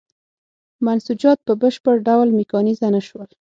منسوجات په بشپړ ډول میکانیزه نه شول.